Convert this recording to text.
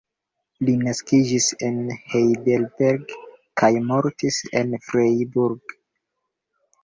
Li naskiĝis en Heidelberg kaj mortis en Freiburg.